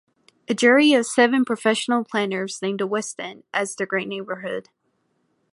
A jury of seven professional planners named the West End as the Great Neighbourhood.